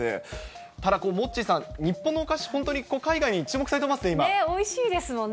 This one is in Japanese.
ただモッチーさん、日本のお菓子、本当に海外に注目されてますね、おいしいですもんね。